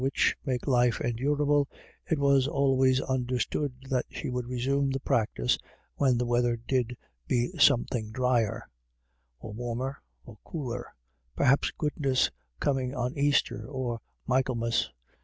which make life endurable, it was always under stood that she would resume the practice when the weather did be something drier, or warmer, or cooler, please goodness, coming on Easter or Michaelmas.